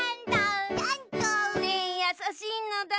リンやさしいのだ！